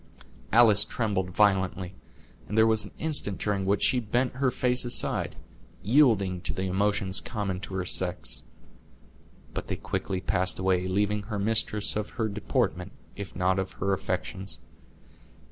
Alice trembled violently, and there was an instant during which she bent her face aside, yielding to the emotions common to her sex; but they quickly passed away, leaving her mistress of her deportment, if not of her affections.